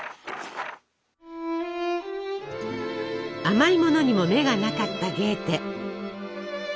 甘いものにも目がなかったゲーテ。